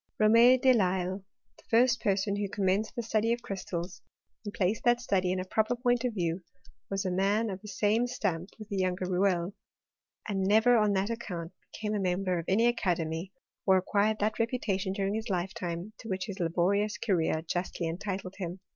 Rome de Lisle, the first person who commenced the study of crystals, anil placed that study in a proper point of view, was a mail of the same stamp with the younger Rouelle, anS never on that account, became a member of any aca« demy, or acquired that reputation during his lifetime/ to which his laborious career justly entitled him.